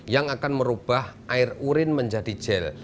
yang akan merubah air urin menjadi gel